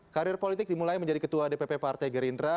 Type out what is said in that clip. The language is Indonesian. karir politik dimulai menjadi ketua dpp partai gerindra